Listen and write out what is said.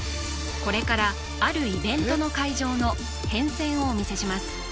これからあるイベントの会場の変遷をお見せします